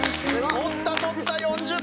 取った取った４０点！